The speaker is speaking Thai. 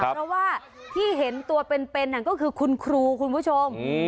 เพราะว่าที่เห็นตัวเป็นก็คือคุณครูคุณผู้ชม